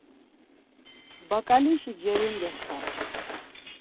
Baǩalişi cerinde xen.